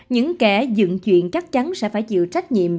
những kẻ dựng chuyện chắc chắn sẽ phải chịu trách nhiệm